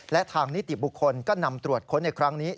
และทางนิติบุคคลก็นำตรวจค้นในครั้งนี้